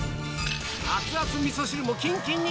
アツアツ味噌汁もキンキンに！